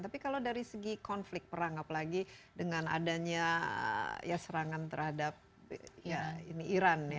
tapi kalau dari segi konflik perang apalagi dengan adanya ya serangan terhadap iran ya